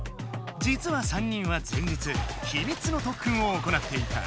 じつは３人は前日ひみつのとっくんを行っていた。